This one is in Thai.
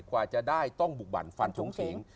กว่าจะได้ต้องบุกบั่นฟันทงเสียง